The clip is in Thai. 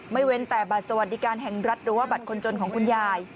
เว้นแต่บัตรสวัสดิการแห่งรัฐหรือว่าบัตรคนจนของคุณยาย